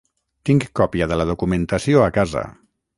Tinc còpia de la documentació a casa.